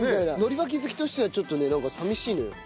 海苔巻き好きとしてはちょっとねなんか寂しいのよ。